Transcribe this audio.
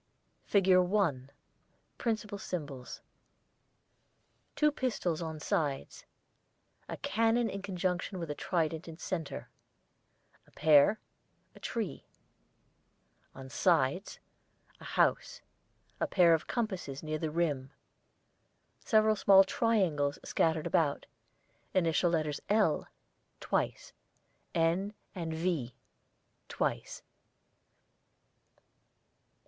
[ILLUSTRATION 1] FIG.1 Principal Symbols: Two pistols on sides. A cannon in conjunction with a trident in centre. A pear. A tree. on sides. A house. A pair of compasses near the rim. Several small triangles scattered about. Initial letters 'L' (twice), 'N,' and 'V' (twice).